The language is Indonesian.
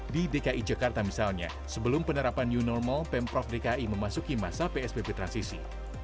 di dki jakarta misalnya sebelum penerapan new normal pemprov dki memasuki masa psbb transisi